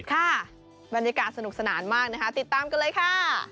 ค่ะบรรยากาศสนุกสนานมากนะคะติดตามกันเลยค่ะ